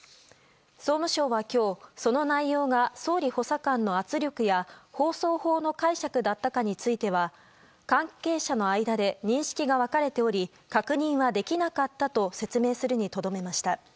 総務省は今日その内容が総理補佐官の圧力や放送法の解釈だったかについては関係者の間で認識が分かれており確認はできなかったと説明するにとどめました。